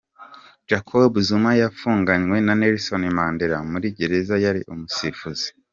Jacob Zuma yafunganywe na Nelson Mandela, muri gereza yari umusifuzi